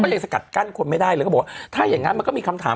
แล้วก็เลยสกัดกั้นคนไม่ได้เลยก็บอกถ้าอย่างงั้นมันก็มีคำถาม